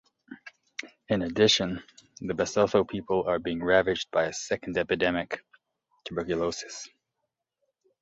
In addition, the Basotho people are being ravaged by a second epidemic: tuberculosis.